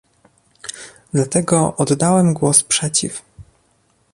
Dlatego oddałem głos przeciw